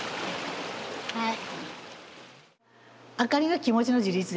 はい。